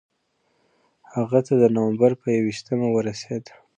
هغه ته د نومبر پر یوویشتمه ورسېد.